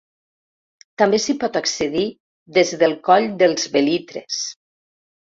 També s'hi pot accedir des del Coll dels Belitres.